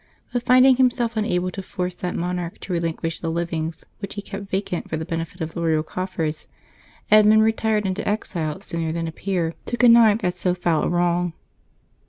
but finding himself unable to force that monarch to relinquish the livings which he kept vacant for the benefit of the ro3'al coffers, Edmund retired into exile sooner than appear 360 LIVES OF THE SAINTS [November 17 to connive at so foul a wrong.